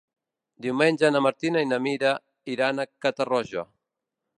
Diumenge na Martina i na Mira iran a Catarroja.